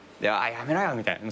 やめろよみたいな。